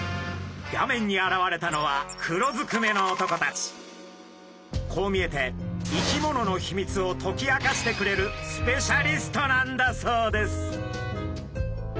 画面に現れたのはこう見えて生き物のヒミツを解き明かしてくれるスペシャリストなんだそうです。